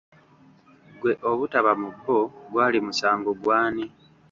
Ggwe obutaba mu bo gwali musango gwa ani?